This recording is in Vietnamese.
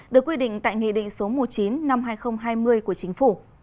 được quy định tại nghị định số một mươi chín năm hai nghìn hai mươi của chính phủ